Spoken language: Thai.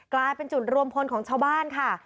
กลายเป็นจุดรวมพลของชาวบ้านค่ะ